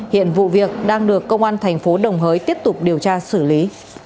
hiện vụ việc đang được công an thành phố đồng hới tiếp tục điều tra xử lý